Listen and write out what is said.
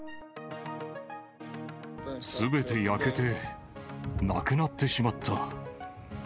すべて焼けてなくなってしまった。